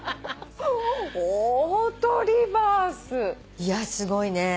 いやすごいね。